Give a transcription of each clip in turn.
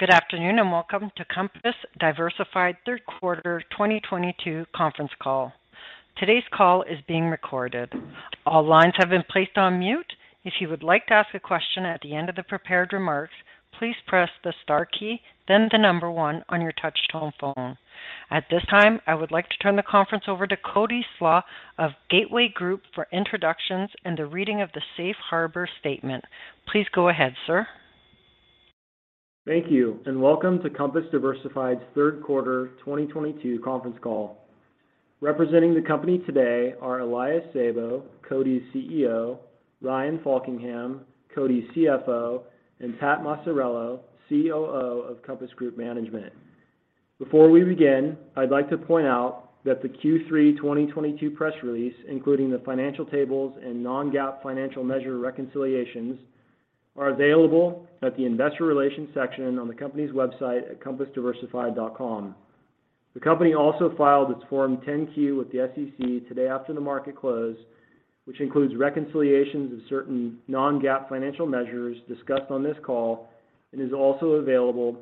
Good afternoon, and welcome to Compass Diversified third quarter 2022 conference call. Today's call is being recorded. All lines have been placed on mute. If you would like to ask a question at the end of the prepared remarks, please press the star key, then the number one on your touchtone phone. At this time, I would like to turn the conference over to Cody Slach of Gateway Group for introductions and the reading of the safe harbor statement. Please go ahead, sir. Thank you, and welcome to Compass Diversified's third quarter 2022 conference call. Representing the company today are Elias Sabo, CODI's CEO, Ryan Faulkingham, CODI's CFO, and Pat Maciariello, COO of Compass Group Management. Before we begin, I'd like to point out that the Q3 2022 press release, including the financial tables and non-GAAP financial measure reconciliations, are available at the investor relations section on the company's website at compassdiversified.com. The company also filed its Form 10-Q with the SEC today after the market closed, which includes reconciliations of certain non-GAAP financial measures discussed on this call and is also available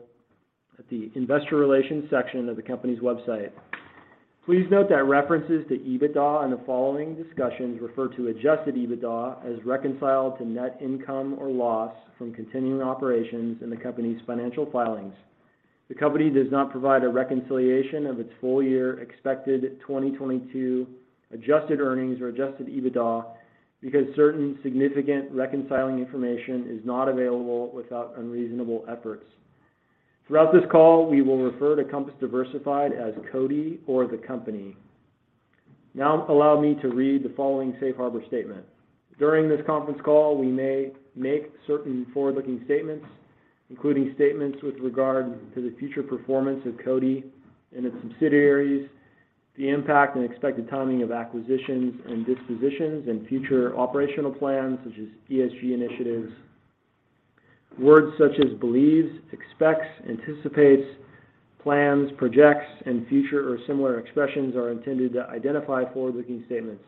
at the investor relations section of the company's website. Please note that references to EBITDA on the following discussions refer to adjusted EBITDA as reconciled to net income or loss from continuing operations in the company's financial filings. The company does not provide a reconciliation of its full year expected 2022 adjusted earnings or adjusted EBITDA because certain significant reconciling information is not available without unreasonable efforts. Throughout this call, we will refer to Compass Diversified as CODI or the company. Now allow me to read the following safe harbor statement. During this conference call, we may make certain forward-looking statements, including statements with regard to the future performance of CODI and its subsidiaries, the impact and expected timing of acquisitions and dispositions and future operational plans such as ESG initiatives. Words such as believes, expects, anticipates, plans, projects and future or similar expressions are intended to identify forward-looking statements.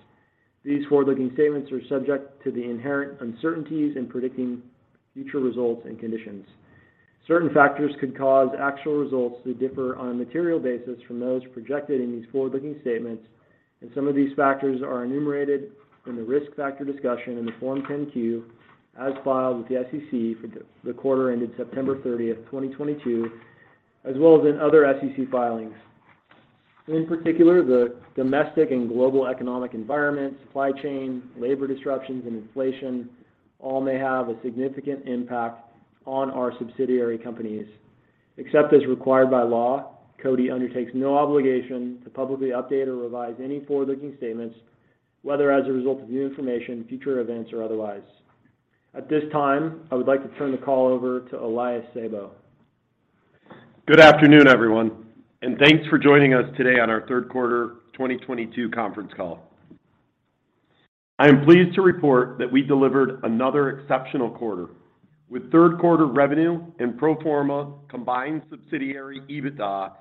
These forward-looking statements are subject to the inherent uncertainties in predicting future results and conditions. Certain factors could cause actual results to differ on a material basis from those projected in these forward-looking statements, and some of these factors are enumerated in the risk factor discussion in the Form 10-Q as filed with the SEC for the quarter ended September 30th, 2022, as well as in other SEC filings. In particular, the domestic and global economic environment, supply chain, labor disruptions and inflation all may have a significant impact on our subsidiary companies. Except as required by law, CODI undertakes no obligation to publicly update or revise any forward-looking statements, whether as a result of new information, future events or otherwise. At this time, I would like to turn the call over to Elias Sabo. Good afternoon, everyone, and thanks for joining us today on our third quarter 2022 conference call. I am pleased to report that we delivered another exceptional quarter, with third quarter revenue and pro forma combined subsidiary EBITDA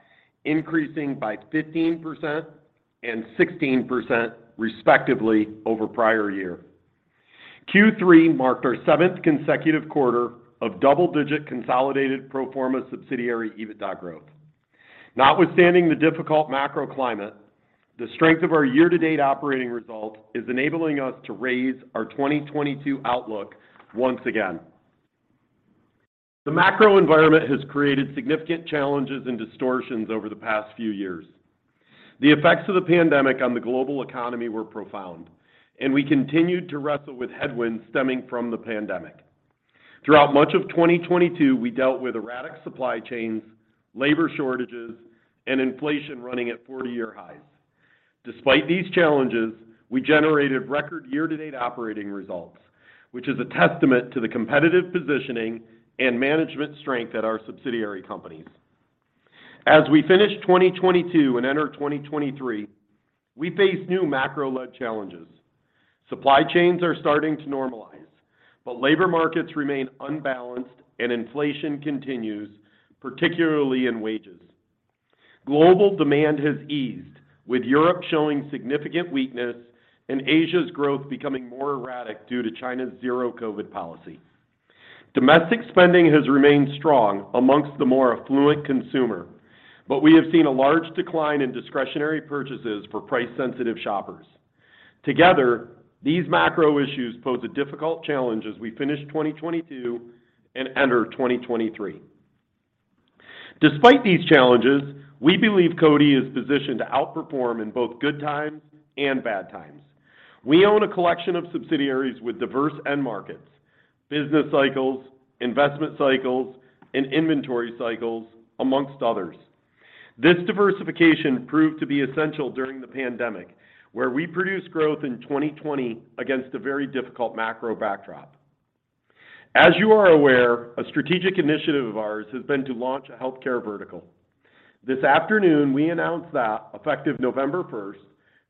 increasing by 15% and 16% respectively over prior year. Q3 marked our seventh consecutive quarter of double-digit consolidated pro forma subsidiary EBITDA growth. Notwithstanding the difficult macro climate, the strength of our year-to-date operating result is enabling us to raise our 2022 outlook once again. The macro environment has created significant challenges and distortions over the past few years. The effects of the pandemic on the global economy were profound, and we continued to wrestle with headwinds stemming from the pandemic. Throughout much of 2022, we dealt with erratic supply chains, labor shortages, and inflation running at 40-year highs. Despite these challenges, we generated record year-to-date operating results, which is a testament to the competitive positioning and management strength at our subsidiary companies. As we finish 2022 and enter 2023, we face new macro-led challenges. Supply chains are starting to normalize, but labor markets remain unbalanced and inflation continues, particularly in wages. Global demand has eased, with Europe showing significant weakness and Asia's growth becoming more erratic due to China's zero COVID policy. Domestic spending has remained strong among the more affluent consumer, but we have seen a large decline in discretionary purchases for price-sensitive shoppers. Together, these macro issues pose a difficult challenge as we finish 2022 and enter 2023. Despite these challenges, we believe CODI is positioned to outperform in both good times and bad times. We own a collection of subsidiaries with diverse end markets, business cycles, investment cycles, and inventory cycles, among others. This diversification proved to be essential during the pandemic, where we produced growth in 2020 against a very difficult macro backdrop. As you are aware, a strategic initiative of ours has been to launch a healthcare vertical. This afternoon, we announced that effective November 1st,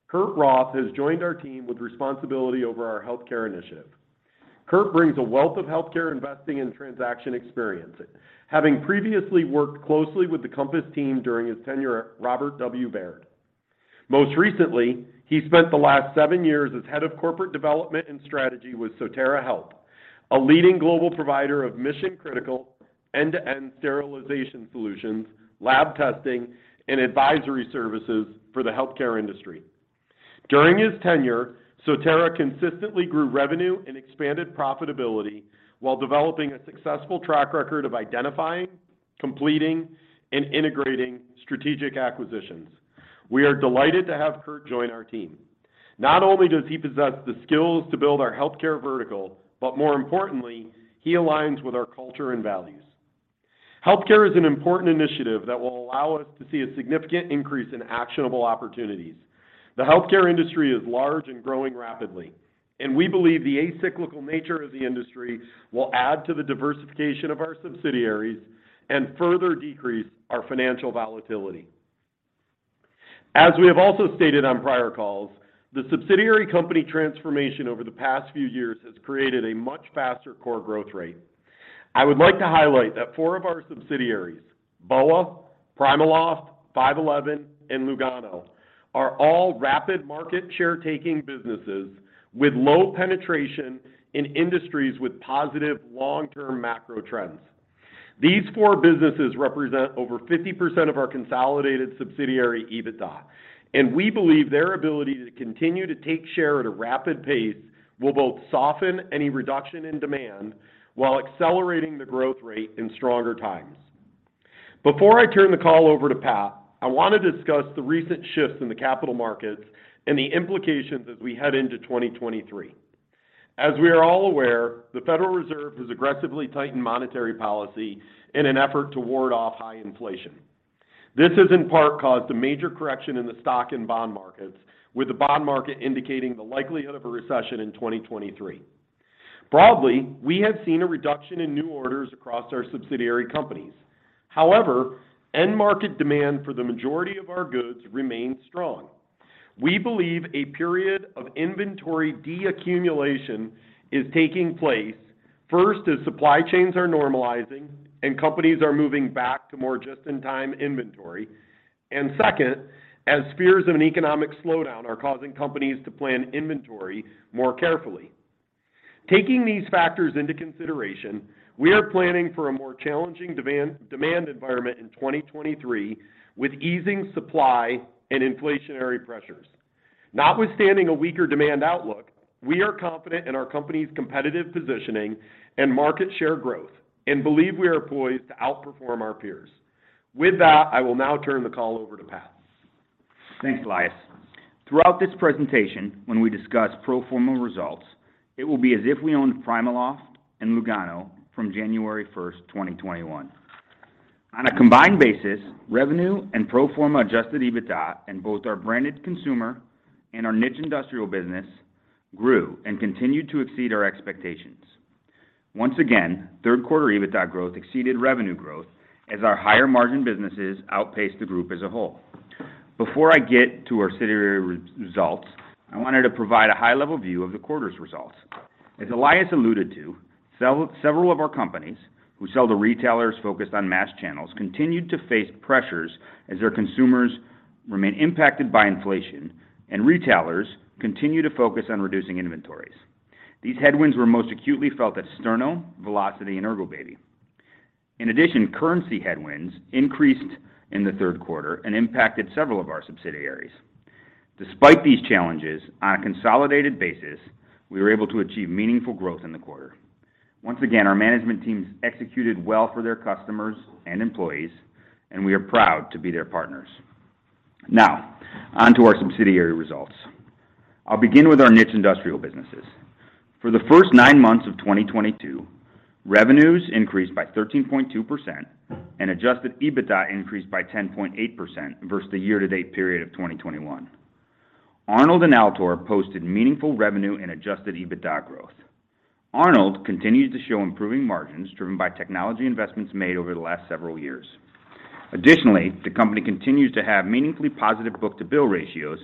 Kurt Roth has joined our team with responsibility over our healthcare initiative. Kurt brings a wealth of healthcare investing and transaction experience, having previously worked closely with the Compass team during his tenure at Robert W. Baird. Most recently, he spent the last seven years as Head of Corporate Development and Strategy with Sotera Health, a leading global provider of mission-critical end-to-end sterilization solutions, lab testing, and advisory services for the healthcare industry. During his tenure, Sotera consistently grew revenue and expanded profitability while developing a successful track record of identifying, completing, and integrating strategic acquisitions. We are delighted to have Kurt join our team. Not only does he possess the skills to build our healthcare vertical, but more importantly, he aligns with our culture and values. Healthcare is an important initiative that will allow us to see a significant increase in actionable opportunities. The healthcare industry is large and growing rapidly, and we believe the acyclical nature of the industry will add to the diversification of our subsidiaries and further decrease our financial volatility. As we have also stated on prior calls, the subsidiary company transformation over the past few years has created a much faster core growth rate. I would like to highlight that four of our subsidiaries, BOA Technology, PrimaLoft, 5.11 Tactical, and Lugano, are all rapid market share taking businesses with low penetration in industries with positive long-term macro trends. These four businesses represent over 50% of our consolidated subsidiary EBITDA, and we believe their ability to continue to take share at a rapid pace will both soften any reduction in demand while accelerating the growth rate in stronger times. Before I turn the call over to Pat, I want to discuss the recent shifts in the capital markets and the implications as we head into 2023. As we are all aware, the Federal Reserve has aggressively tightened monetary policy in an effort to ward off high inflation. This has in part caused a major correction in the stock and bond markets, with the bond market indicating the likelihood of a recession in 2023. Broadly, we have seen a reduction in new orders across our subsidiary companies. However, end market demand for the majority of our goods remains strong. We believe a period of inventory de-accumulation is taking place, first, as supply chains are normalizing and companies are moving back to more just-in-time inventory. Second, as fears of an economic slowdown are causing companies to plan inventory more carefully. Taking these factors into consideration, we are planning for a more challenging demand environment in 2023 with easing supply and inflationary pressures. Notwithstanding a weaker demand outlook, we are confident in our company's competitive positioning and market share growth, and believe we are poised to outperform our peers. With that, I will now turn the call over to Pat. Thanks, Elias. Throughout this presentation, when we discuss pro forma results, it will be as if we owned PrimaLoft and Lugano from January 1st, 2021. On a combined basis, revenue and pro forma adjusted EBITDA in both our branded consumer and our niche industrial business grew and continued to exceed our expectations. Once again, third quarter EBITDA growth exceeded revenue growth as our higher margin businesses outpaced the group as a whole. Before I get to our subsidiary results, I wanted to provide a high-level view of the quarter's results. As Elias alluded to, several of our companies who sell to retailers focused on mass channels continued to face pressures as their consumers remain impacted by inflation and retailers continue to focus on reducing inventories. These headwinds were most acutely felt at Sterno, Velocity, and Ergobaby. In addition, currency headwinds increased in the third quarter and impacted several of our subsidiaries. Despite these challenges, on a consolidated basis, we were able to achieve meaningful growth in the quarter. Once again, our management teams executed well for their customers and employees, and we are proud to be their partners. Now, on to our subsidiary results. I'll begin with our niche industrial businesses. For the first nine months of 2022, revenues increased by 13.2% and adjusted EBITDA increased by 10.8% versus the year-to-date period of 2021. Arnold and Altor posted meaningful revenue and adjusted EBITDA growth. Arnold continued to show improving margins driven by technology investments made over the last several years. Additionally, the company continues to have meaningfully positive book-to-bill ratios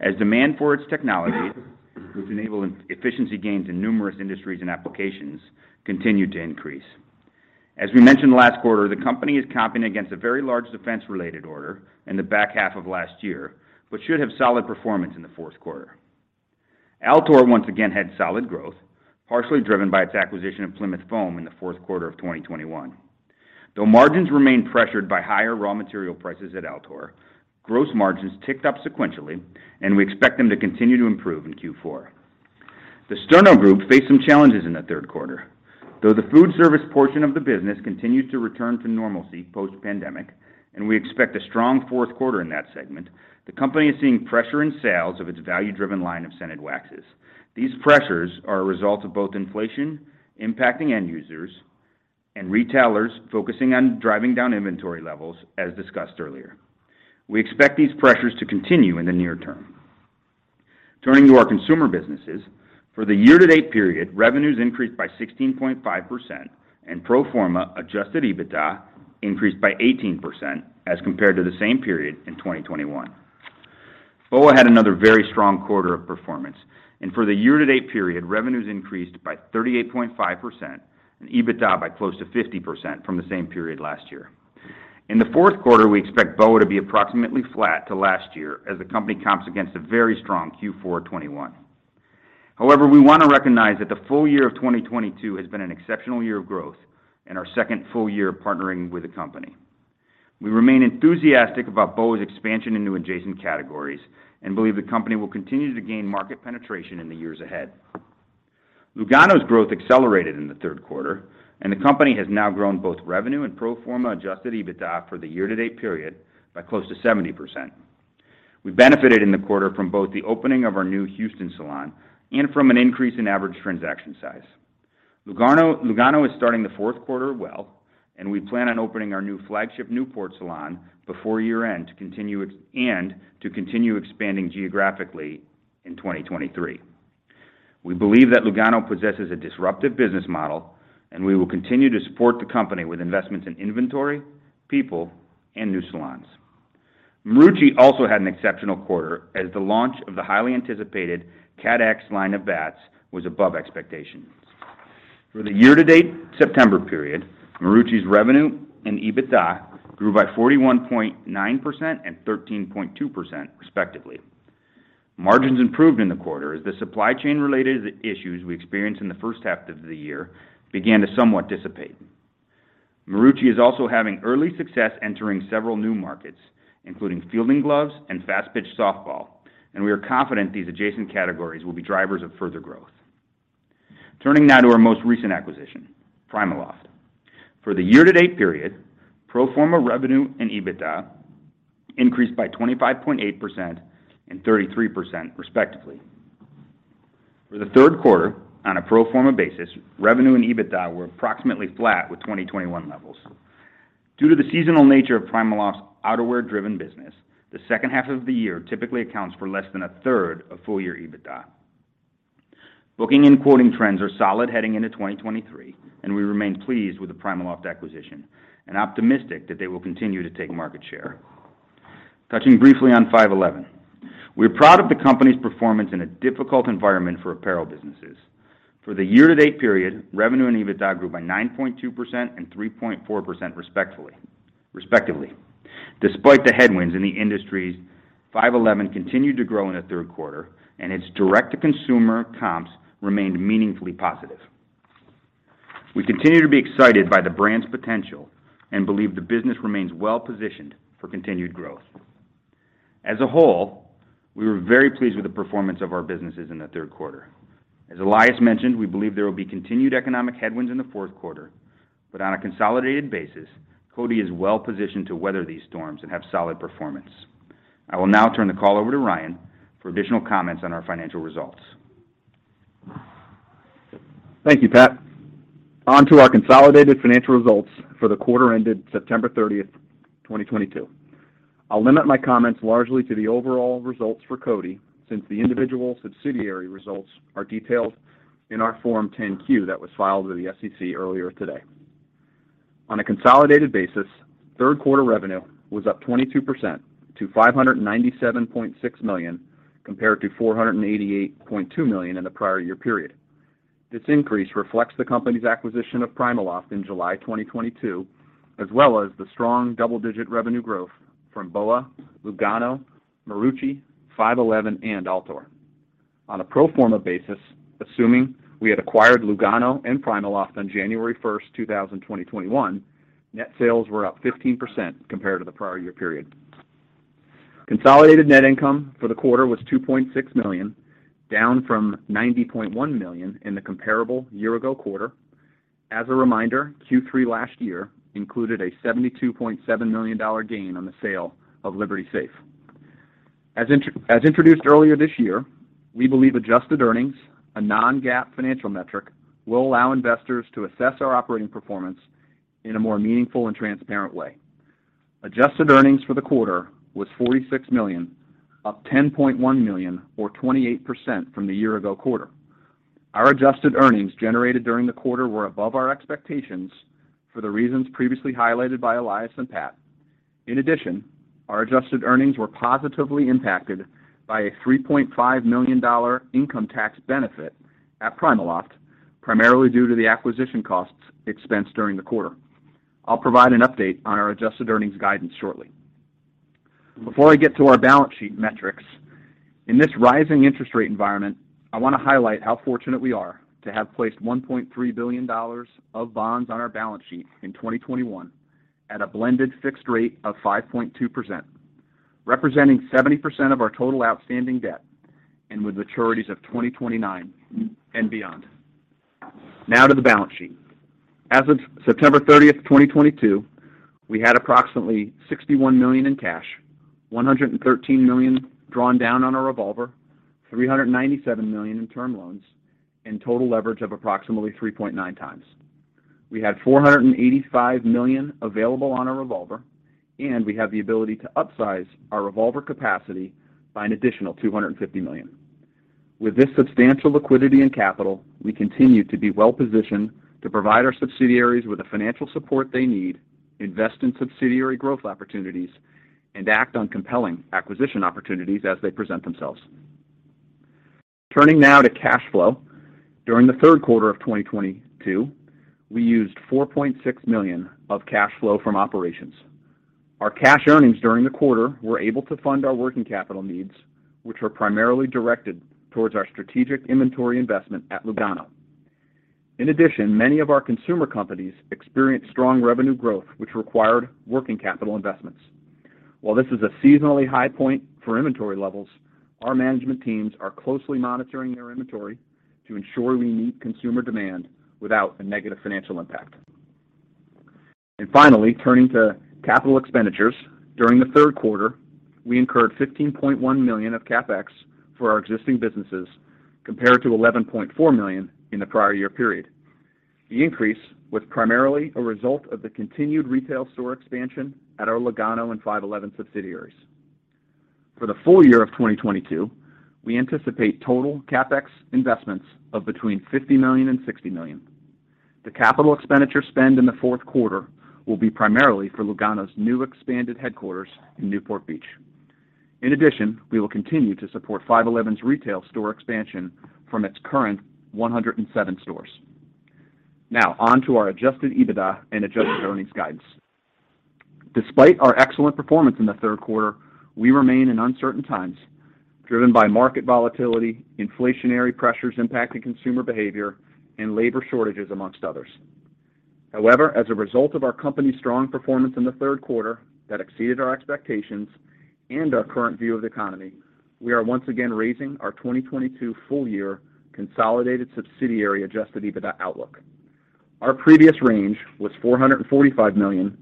as demand for its technology, which enable efficiency gains in numerous industries and applications, continue to increase. As we mentioned last quarter, the company is competing against a very large defense-related order in the back half of last year, but should have solid performance in the fourth quarter. Altor once again had solid growth, partially driven by its acquisition of Plymouth Foam in the fourth quarter of 2021. Though margins remain pressured by higher raw material prices at Altor, gross margins ticked up sequentially, and we expect them to continue to improve in Q4. The Sterno Group faced some challenges in the third quarter. Though the food service portion of the business continued to return to normalcy post-pandemic, and we expect a strong fourth quarter in that segment, the company is seeing pressure in sales of its value-driven line of scented waxes. These pressures are a result of both inflation impacting end users and retailers focusing on driving down inventory levels, as discussed earlier. We expect these pressures to continue in the near term. Turning to our consumer businesses, for the year-to-date period, revenues increased by 16.5% and pro forma adjusted EBITDA increased by 18% as compared to the same period in 2021. BOA had another very strong quarter of performance. For the year-to-date period, revenues increased by 38.5% and EBITDA by close to 50% from the same period last year. In the fourth quarter, we expect BOA to be approximately flat to last year as the company comps against a very strong Q4 2021. However, we wanna recognize that the full year of 2022 has been an exceptional year of growth and our second full year of partnering with the company. We remain enthusiastic about BOA's expansion into adjacent categories and believe the company will continue to gain market penetration in the years ahead. Lugano's growth accelerated in the third quarter, and the company has now grown both revenue and pro forma adjusted EBITDA for the year-to-date period by close to 70%. We benefited in the quarter from both the opening of our new Houston salon and from an increase in average transaction size. Lugano is starting the fourth quarter well, and we plan on opening our new flagship Newport salon before year-end and to continue expanding geographically in 2023. We believe that Lugano possesses a disruptive business model, and we will continue to support the company with investments in inventory, people, and new salons. Marucci also had an exceptional quarter as the launch of the highly anticipated CATX line of bats was above expectations. For the year-to-date September period, Marucci's revenue and EBITDA grew by 41.9% and 13.2% respectively. Margins improved in the quarter as the supply chain related issues we experienced in the first half of the year began to somewhat dissipate. Marucci is also having early success entering several new markets, including fielding gloves and fast pitch softball, and we are confident these adjacent categories will be drivers of further growth. Turning now to our most recent acquisition, PrimaLoft. For the year-to-date period, pro forma revenue and EBITDA increased by 25.8% and 33% respectively. For the third quarter, on a pro forma basis, revenue and EBITDA were approximately flat with 2021 levels. Due to the seasonal nature of PrimaLoft's outerwear-driven business, the second half of the year typically accounts for less than a third of full year EBITDA. Booking and quoting trends are solid heading into 2023, and we remain pleased with the PrimaLoft acquisition and optimistic that they will continue to take market share. Touching briefly on 5.11. We're proud of the company's performance in a difficult environment for apparel businesses. For the year-to-date period, revenue and EBITDA grew by 9.2% and 3.4% respectively. Despite the headwinds in the industry, 5.11 continued to grow in the third quarter, and its direct-to-consumer comps remained meaningfully positive. We continue to be excited by the brand's potential and believe the business remains well-positioned for continued growth. As a whole, we were very pleased with the performance of our businesses in the third quarter. As Elias mentioned, we believe there will be continued economic headwinds in the fourth quarter, but on a consolidated basis, CODI is well-positioned to weather these storms and have solid performance. I will now turn the call over to Ryan for additional comments on our financial results. Thank you, Pat. On to our consolidated financial results for the quarter ended September 30th, 2022. I'll limit my comments largely to the overall results for CODI, since the individual subsidiary results are detailed in our Form 10-Q that was filed with the SEC earlier today. On a consolidated basis, third quarter revenue was up 22% to $597.6 million, compared to $488.2 million in the prior year period. This increase reflects the company's acquisition of PrimaLoft in July 2022, as well as the strong double-digit revenue growth from BOA, Lugano, Marucci, 5.11, and Altor. On a pro forma basis, assuming we had acquired Lugano and PrimaLoft on January 1st, 2021, net sales were up 15% compared to the prior year period. Consolidated net income for the quarter was $2.6 million, down from $90.1 million in the comparable year ago quarter. As a reminder, Q3 last year included a $72.7 million gain on the sale of Liberty Safe. As introduced earlier this year, we believe adjusted earnings, a non-GAAP financial metric, will allow investors to assess our operating performance in a more meaningful and transparent way. Adjusted earnings for the quarter was $46 million, up $10.1 million, or 28% from the year ago quarter. Our adjusted earnings generated during the quarter were above our expectations for the reasons previously highlighted by Elias and Pat. In addition, our adjusted earnings were positively impacted by a $3.5 million income tax benefit at PrimaLoft, primarily due to the acquisition costs expensed during the quarter. I'll provide an update on our adjusted earnings guidance shortly. Before I get to our balance sheet metrics, in this rising interest rate environment, I wanna highlight how fortunate we are to have placed $1.3 billion of bonds on our balance sheet in 2021 at a blended fixed rate of 5.2%, representing 70% of our total outstanding debt and with maturities of 2029 and beyond. Now to the balance sheet. As of September 30th, 2022, we had approximately $61 million in cash, $113 million drawn down on our revolver, $397 million in term loans, and total leverage of approximately 3.9x. We had $485 million available on our revolver, and we have the ability to upsize our revolver capacity by an additional $250 million. With this substantial liquidity and capital, we continue to be well-positioned to provide our subsidiaries with the financial support they need, invest in subsidiary growth opportunities, and act on compelling acquisition opportunities as they present themselves. Turning now to cash flow. During the third quarter of 2022, we used $4.6 million of cash flow from operations. Our cash earnings during the quarter were able to fund our working capital needs, which were primarily directed towards our strategic inventory investment at Lugano. In addition, many of our consumer companies experienced strong revenue growth, which required working capital investments. While this is a seasonally high point for inventory levels, our management teams are closely monitoring their inventory to ensure we meet consumer demand without a negative financial impact. Finally, turning to capital expenditures. During the third quarter, we incurred $15.1 million of CapEx for our existing businesses, compared to $11.4 million in the prior year period. The increase was primarily a result of the continued retail store expansion at our Lugano and 5.11 subsidiaries. For the full year of 2022, we anticipate total CapEx investments of between $50 million and $60 million. The capital expenditure spend in the fourth quarter will be primarily for Lugano's new expanded headquarters in Newport Beach. In addition, we will continue to support 5.11's retail store expansion from its current 107 stores. Now on to our adjusted EBITDA and adjusted earnings guidance. Despite our excellent performance in the third quarter, we remain in uncertain times, driven by market volatility, inflationary pressures impacting consumer behavior, and labor shortages, among others. However, as a result of our company's strong performance in the third quarter that exceeded our expectations and our current view of the economy, we are once again raising our 2022 full year consolidated subsidiary adjusted EBITDA outlook. Our previous range was $445 million-$470 million.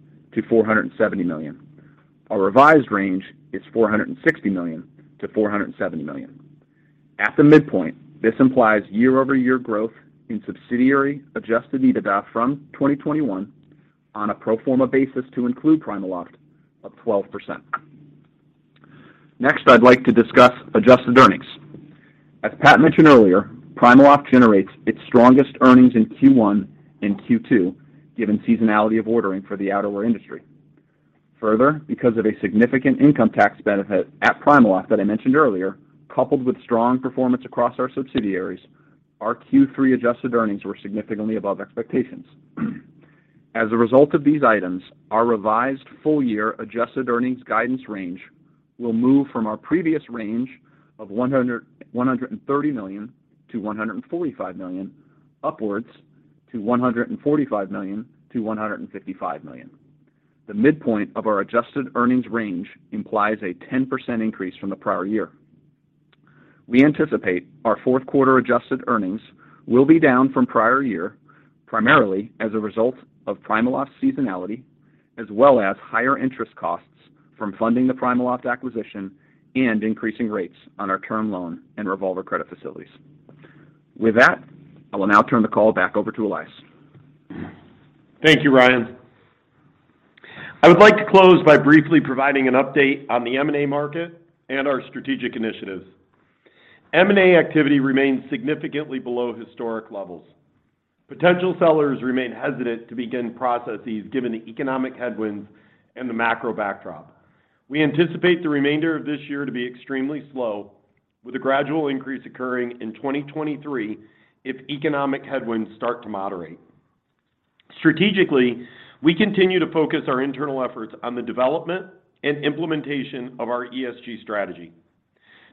Our revised range is $460 million-$470 million. At the midpoint, this implies year-over-year growth in subsidiary adjusted EBITDA from 2021 on a pro forma basis to include PrimaLoft of 12%. Next, I'd like to discuss adjusted earnings. As Pat mentioned earlier, PrimaLoft generates its strongest earnings in Q1 and Q2, given seasonality of ordering for the outerwear industry. Further, because of a significant income tax benefit at PrimaLoft that I mentioned earlier, coupled with strong performance across our subsidiaries, our Q3 adjusted earnings were significantly above expectations. As a result of these items, our revised full year adjusted earnings guidance range will move from our previous range of $130 million-$145 million, upwards to $145 million-$155 million. The midpoint of our adjusted earnings range implies a 10% increase from the prior year. We anticipate our fourth quarter adjusted earnings will be down from prior year, primarily as a result of PrimaLoft's seasonality, as well as higher interest costs from funding the PrimaLoft acquisition and increasing rates on our term loan and revolver credit facilities. With that, I will now turn the call back over to Elias. Thank you, Ryan. I would like to close by briefly providing an update on the M&A market and our strategic initiatives. M&A activity remains significantly below historic levels. Potential sellers remain hesitant to begin processes given the economic headwinds and the macro backdrop. We anticipate the remainder of this year to be extremely slow, with a gradual increase occurring in 2023 if economic headwinds start to moderate. Strategically, we continue to focus our internal efforts on the development and implementation of our ESG strategy.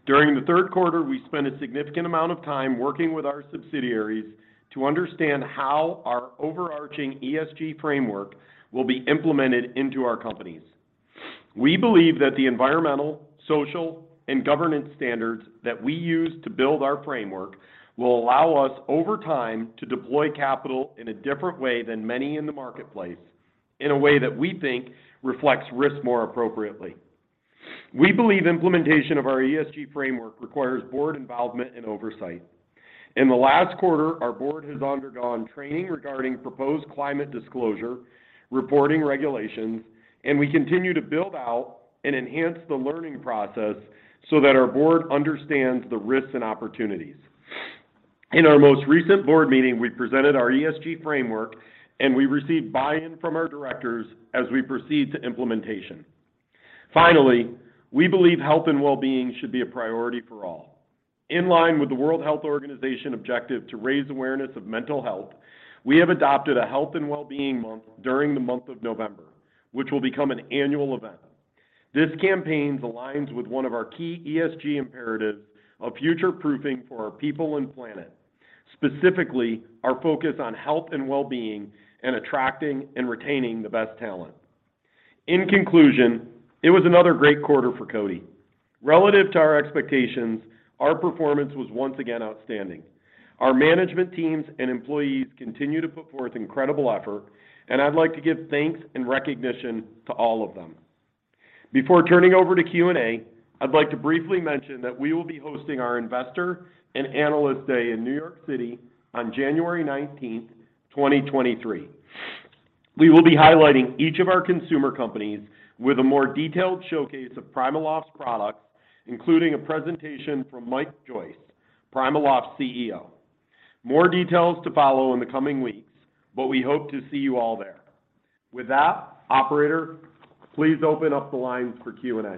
During the third quarter, we spent a significant amount of time working with our subsidiaries to understand how our overarching ESG framework will be implemented into our companies. We believe that the environmental, social, and governance standards that we use to build our framework will allow us over time to deploy capital in a different way than many in the marketplace in a way that we think reflects risk more appropriately. We believe implementation of our ESG framework requires board involvement and oversight. In the last quarter, our board has undergone training regarding proposed climate disclosure, reporting regulations, and we continue to build out and enhance the learning process so that our board understands the risks and opportunities. In our most recent board meeting, we presented our ESG framework, and we received buy-in from our directors as we proceed to implementation. Finally, we believe health and wellbeing should be a priority for all. In line with the World Health Organization objective to raise awareness of mental health, we have adopted a health and well-being month during the month of November, which will become an annual event. This campaign aligns with one of our key ESG imperatives of future-proofing for our people and planet, specifically our focus on health and well-being and attracting and retaining the best talent. In conclusion, it was another great quarter for CODI. Relative to our expectations, our performance was once again outstanding. Our management teams and employees continue to put forth incredible effort, and I'd like to give thanks and recognition to all of them. Before turning over to Q&A, I'd like to briefly mention that we will be hosting our Investor and Analyst Day in New York City on January 19th, 2023. We will be highlighting each of our consumer companies with a more detailed showcase of PrimaLoft's products, including a presentation from Mike Joyce, PrimaLoft's CEO. More details to follow in the coming weeks, but we hope to see you all there. With that, operator, please open up the lines for Q&A.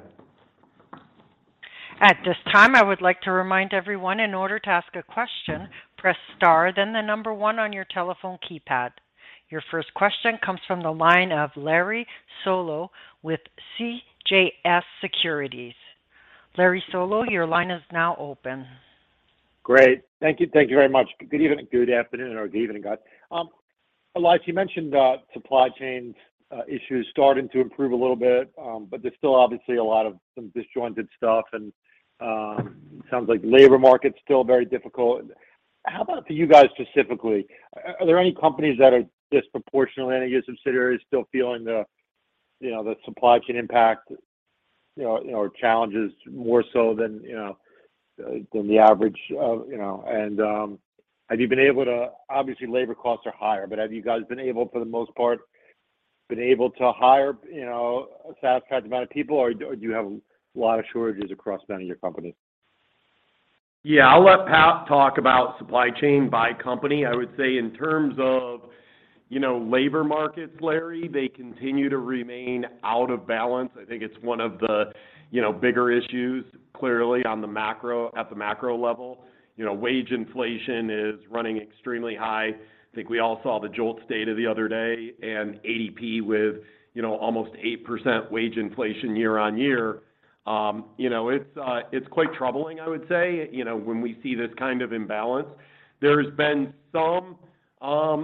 At this time, I would like to remind everyone in order to ask a question, press star then the number one on your telephone keypad. Your first question comes from the line of Larry Solow with CJS Securities. Larry Solow, your line is now open. Great. Thank you. Thank you very much. Good evening. Good afternoon or good evening, guys. Elias, you mentioned supply chains issues starting to improve a little bit, but there's still obviously a lot of some disjointed stuff and sounds like labor market's still very difficult. How about for you guys specifically? Are there any companies that are disproportionately any of your subsidiaries still feeling the you know the supply chain impact you know or challenges more so than you know than the average of you know? Obviously labor costs are higher, but have you guys been able to for the most part hire you know a satisfied amount of people or do you have a lot of shortages across many of your companies? Yeah. I'll let Pat talk about supply chain by company. I would say in terms of, you know, labor markets, Larry, they continue to remain out of balance. I think it's one of the, you know, bigger issues clearly on the macro level. You know, wage inflation is running extremely high. I think we all saw the JOLTS data the other day and ADP with, you know, almost 8% wage inflation year-on-year. You know, it's quite troubling, I would say, you know, when we see this kind of imbalance. There's been some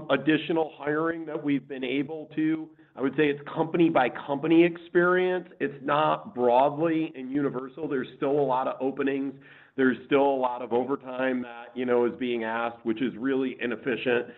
additional hiring that we've been able to. I would say it's company by company experience. It's not broadly and universal. There's still a lot of openings. There's still a lot of overtime that, you know, is being asked, which is really inefficient from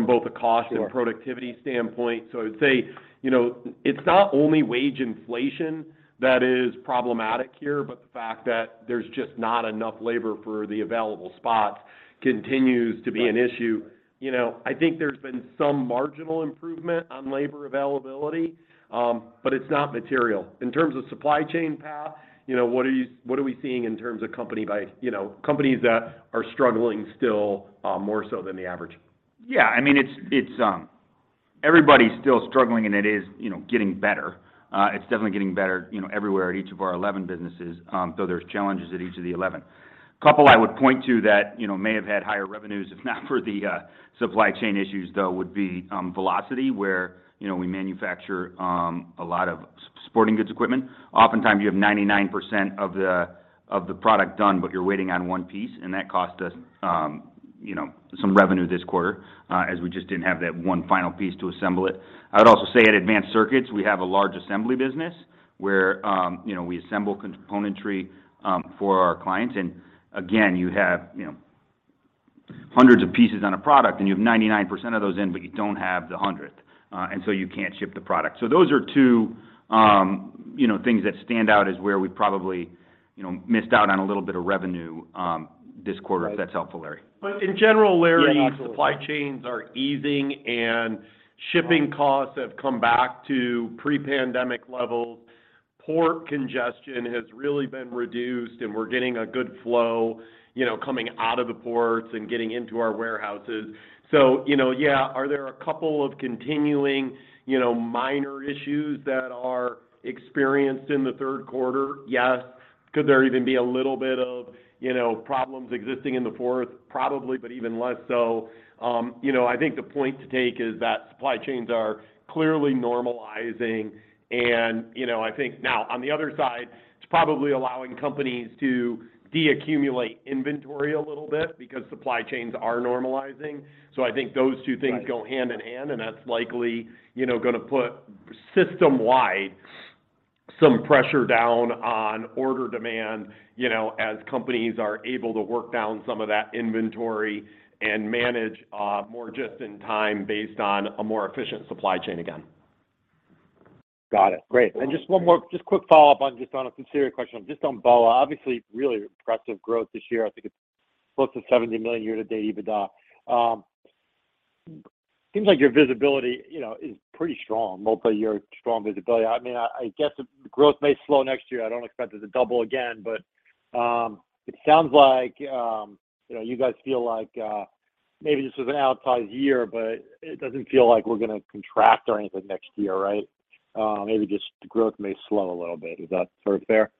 both a cost and productivity standpoint. I would say, you know, it's not only wage inflation that is problematic here, but the fact that there's just not enough labor for the available spots continues to be an issue. You know, I think there's been some marginal improvement on labor availability, but it's not material. In terms of supply chain, Pat, you know, what are we seeing in terms of companies that are struggling still, more so than the average? Yeah. I mean, it's everybody's still struggling and it is, you know, getting better. It's definitely getting better, you know, everywhere at each of our 11 businesses, though there's challenges at each of the 11. A couple I would point to that, you know, may have had higher revenues if not for the supply chain issues though would be Velocity, where, you know, we manufacture a lot of sporting goods equipment. Oftentimes you have 99% of the product done, but you're waiting on one piece and that cost us, you know, some revenue this quarter, as we just didn't have that one final piece to assemble it. I would also say at Advanced Circuits we have a large assembly business where, you know, we assemble componentry for our clients. Again, you have, you know, hundreds of pieces on a product and you have 99% of those in, but you don't have the hundredth, and so you can't ship the product. Those are two, you know, things that stand out as where we probably, you know, missed out on a little bit of revenue, this quarter if that's helpful, Larry. In general, Larry- Yeah, absolutely. Supply chains are easing and shipping costs have come back to pre-pandemic levels. Port congestion has really been reduced and we're getting a good flow, you know, coming out of the ports and getting into our warehouses. You know, yeah, are there a couple of continuing, you know, minor issues that are experienced in the third quarter? Yes. Could there even be a little bit of, you know, problems existing in the fourth? Probably, but even less so. You know, I think the point to take is that supply chains are clearly normalizing and, you know, I think now on the other side, it's probably allowing companies to deaccumulate inventory a little bit because supply chains are normalizing. I think those two things go hand in hand and that's likely, you know, gonna put system-wide some pressure down on order demand, you know, as companies are able to work down some of that inventory and manage more just in time based on a more efficient supply chain again. Got it. Great. Just one more quick follow-up on a sincere question on BOA. Obviously, really impressive growth this year. I think it's close to $70 million year-to-date EBITDA. Seems like your visibility, you know, is pretty strong, multi-year strong visibility. I mean, I guess the growth may slow next year. I don't expect it to double again, but it sounds like, you know, you guys feel like, maybe this was an outsized year, but it doesn't feel like we're gonna contract or anything next year, right? Maybe just growth may slow a little bit. Is that sort of fair?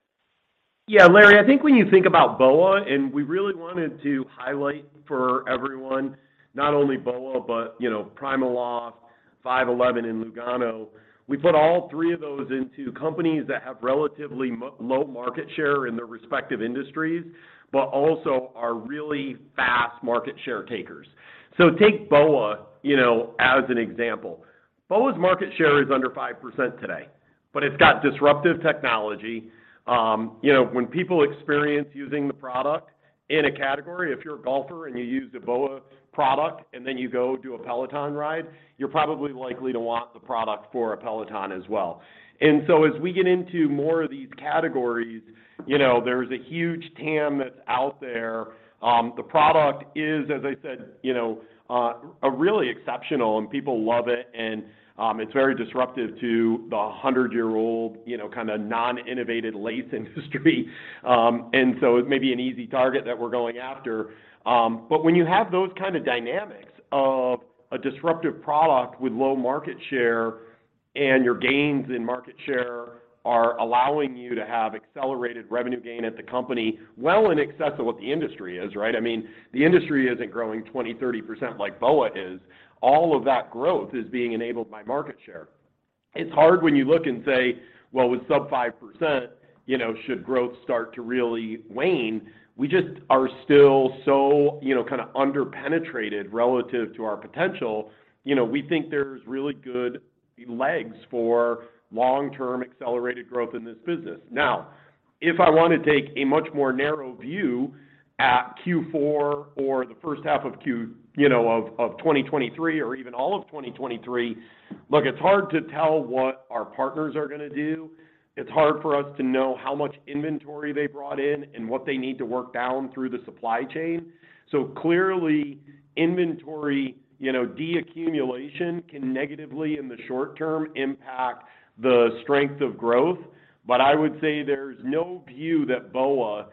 Yeah, Larry, I think when you think about BOA and we really wanted to highlight for everyone not only BOA but, you know, PrimaLoft, 5.11 and Lugano. We put all three of those into companies that have relatively low market share in their respective industries but also are really fast market share takers. Take BOA, you know, as an example. BOA's market share is under 5% today but it's got disruptive technology. You know, when people experience using the product in a category, if you're a golfer and you use a BOA product and then you go do a Peloton ride, you're probably likely to want the product for a Peloton as well. As we get into more of these categories, you know, there's a huge TAM that's out there. The product is, as I said, you know, a really exceptional and people love it and, it's very disruptive to the hundred-year-old, you know, kind of non-innovative lace industry. It may be an easy target that we're going after. But when you have those kind of dynamics of a disruptive product with low market share. Your gains in market share are allowing you to have accelerated revenue gain at the company well in excess of what the industry is, right? I mean, the industry isn't growing 20%-30% like BOA is. All of that growth is being enabled by market share. It's hard when you look and say, "Well, with sub-5%, you know, should growth start to really wane?" We just are still so, you know, kind of under-penetrated relative to our potential. You know, we think there's really good legs for long-term accelerated growth in this business. Now, if I want to take a much more narrow view at Q4 or the first half of 2023 or even all of 2023, look, it's hard to tell what our partners are gonna do. It's hard for us to know how much inventory they brought in and what they need to work down through the supply chain. Clearly, inventory, you know, deaccumulation can negatively, in the short term, impact the strength of growth. I would say there's no view that BOA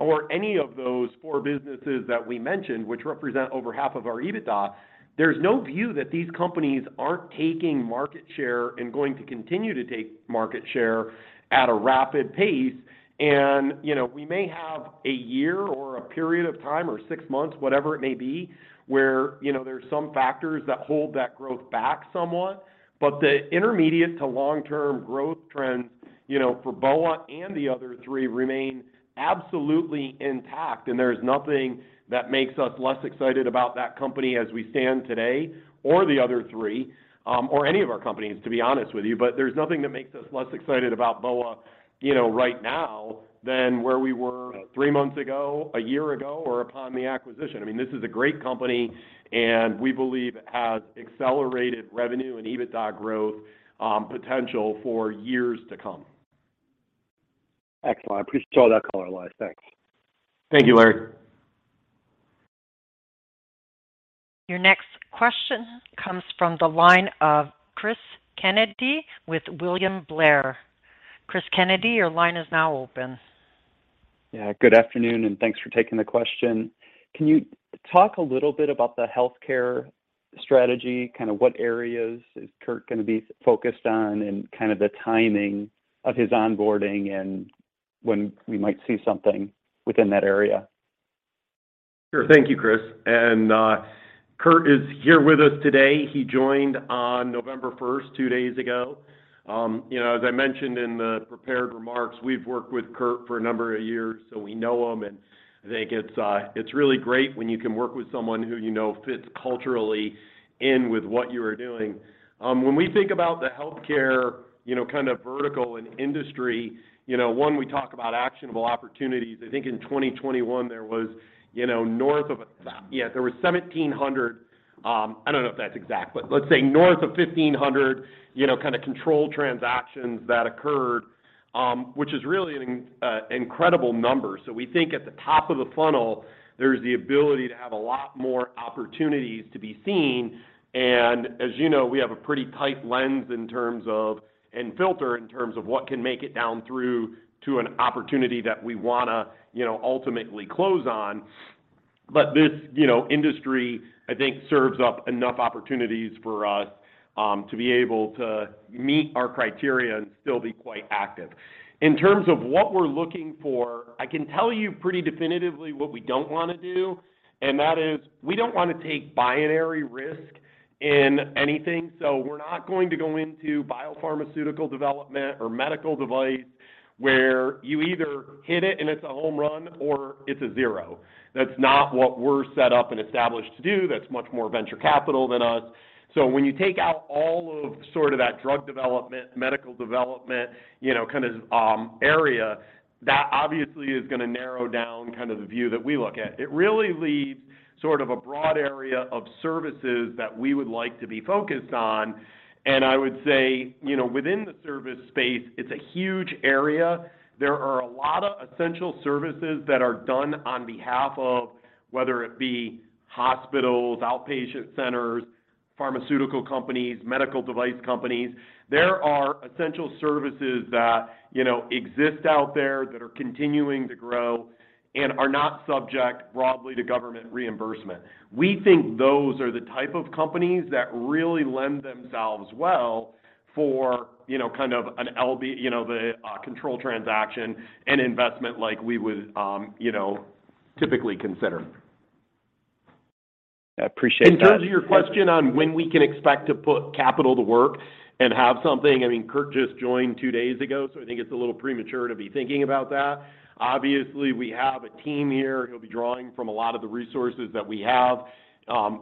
or any of those four businesses that we mentioned, which represent over half of our EBITDA, there's no view that these companies aren't taking market share and going to continue to take market share at a rapid pace. You know, we may have a year or a period of time or six months, whatever it may be, where, you know, there are some factors that hold that growth back somewhat. The intermediate to long-term growth trends, you know, for BOA and the other three remain absolutely intact. There's nothing that makes us less excited about that company as we stand today or the other three, or any of our companies, to be honest with you. There's nothing that makes us less excited about BOA, you know, right now than where we were three months ago, a year ago, or upon the acquisition. I mean, this is a great company, and we believe it has accelerated revenue and EBITDA growth potential for years to come. Excellent. Appreciate all that color, Elias. Thanks. Thank you, Larry. Your next question comes from the line of Chris Kennedy with William Blair. Chris Kennedy, your line is now open. Yeah. Good afternoon, and thanks for taking the question. Can you talk a little bit about the healthcare strategy, kind of what areas is Kurt going to be focused on and kind of the timing of his onboarding and when we might see something within that area? Sure. Thank you, Chris. Kurt is here with us today. He joined on November 1st, two days ago. You know, as I mentioned in the prepared remarks, we've worked with Kurt for a number of years, so we know him. I think it's really great when you can work with someone who you know fits culturally in with what you are doing. When we think about the healthcare, you know, kind of vertical and industry, you know, one, we talk about actionable opportunities. I think in 2021 there was, you know, north of, yeah, there was 1,700. I don't know if that's exact, but let's say north of 1,500, you know, kind of controlled transactions that occurred, which is really an incredible number. We think at the top of the funnel, there's the ability to have a lot more opportunities to be seen. As you know, we have a pretty tight lens and filter in terms of what can make it down through to an opportunity that we wanna, you know, ultimately close on. This, you know, industry, I think, serves up enough opportunities for us to be able to meet our criteria and still be quite active. In terms of what we're looking for, I can tell you pretty definitively what we don't want to do, and that is we don't want to take binary risk in anything. We're not going to go into biopharmaceutical development or medical device where you either hit it and it's a home run or it's a zero. That's not what we're set up and established to do. That's much more venture capital than us. When you take out all of sort of that drug development, medical development, you know, kind of, area, that obviously is gonna narrow down kind of the view that we look at. It really leaves sort of a broad area of services that we would like to be focused on. I would say, you know, within the service space, it's a huge area. There are a lot of essential services that are done on behalf of whether it be hospitals, outpatient centers, pharmaceutical companies, medical device companies. There are essential services that, you know, exist out there that are continuing to grow and are not subject broadly to government reimbursement. We think those are the type of companies that really lend themselves well for, you know, the control transaction and investment like we would, you know, typically consider. I appreciate that. In terms of your question on when we can expect to put capital to work and have something, I mean, Kurt just joined two days ago, so I think it's a little premature to be thinking about that. Obviously, we have a team here. He'll be drawing from a lot of the resources that we have.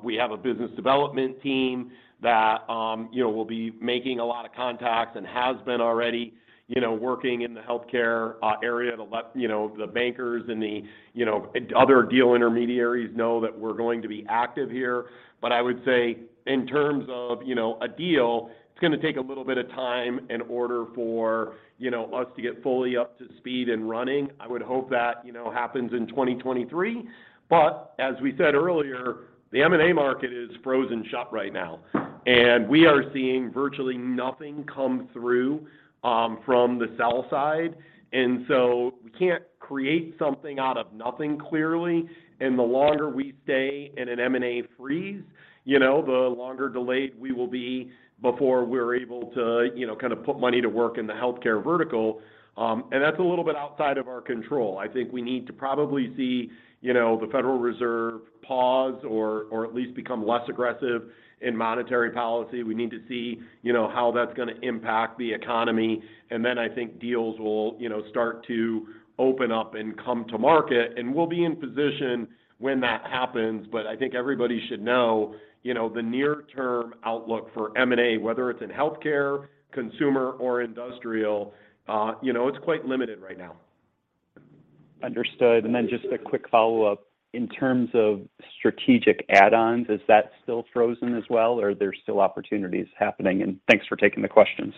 We have a business development team that, you know, will be making a lot of contacts and has been already, you know, working in the healthcare area. You know, the bankers and the, you know, other deal intermediaries know that we're going to be active here. I would say in terms of, you know, a deal, it's gonna take a little bit of time in order for, you know, us to get fully up to speed and running. I would hope that, you know, happens in 2023. As we said earlier, the M&A market is frozen shut right now. We are seeing virtually nothing come through from the sell side. We can't create something out of nothing, clearly. The longer we stay in an M&A freeze, you know, the longer delayed we will be before we're able to, you know, kind of put money to work in the healthcare vertical, and that's a little bit outside of our control. I think we need to probably see, you know, the Federal Reserve pause or at least become less aggressive in monetary policy. We need to see, you know, how that's gonna impact the economy, and then I think deals will, you know, start to open up and come to market, and we'll be in position when that happens. I think everybody should know, you know, the near-term outlook for M&A, whether it's in healthcare, consumer or industrial, you know, it's quite limited right now. Understood. Just a quick follow-up. In terms of strategic add-ons, is that still frozen as well, or are there still opportunities happening? Thanks for taking the questions.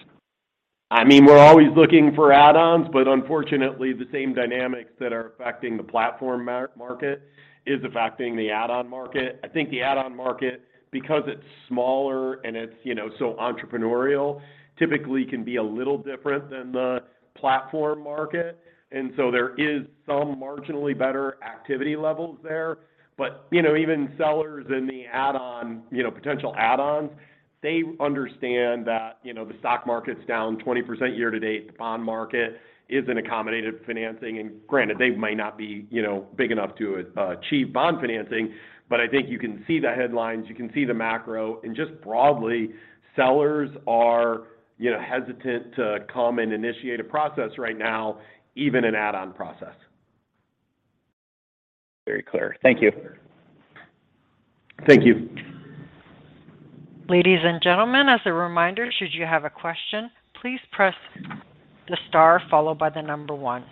I mean, we're always looking for add-ons, but unfortunately, the same dynamics that are affecting the platform M&A market is affecting the add-on market. I think the add-on market, because it's smaller and it's, you know, so entrepreneurial, typically can be a little different than the platform market. There is some marginally better activity levels there. You know, even sellers in the add-on, you know, potential add-ons, they understand that, you know, the stock market's down 20% year-to-date, the bond market isn't accommodating financing. Granted, they might not be, you know, big enough to achieve bond financing. I think you can see the headlines, you can see the macro. Just broadly, sellers are, you know, hesitant to come and initiate a process right now, even an add-on process. Very clear. Thank you. Thank you. Ladies and gentlemen, as a reminder, should you have a question, please press the star followed by the number one.